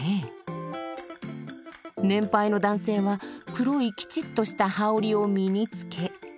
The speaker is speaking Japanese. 年配の男性は黒いキチッとした羽織を身につけ。